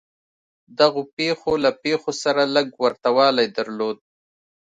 دغو پېښو له پېښو سره لږ ورته والی درلود.